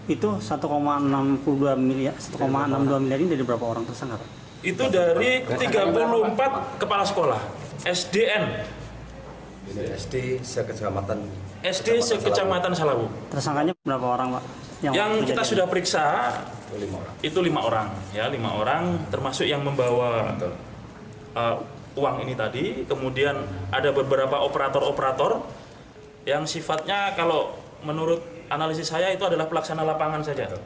itu lima orang ya lima orang termasuk yang membawa uang ini tadi kemudian ada beberapa operator operator yang sifatnya kalau menurut analisi saya itu adalah pelaksana lapangan saja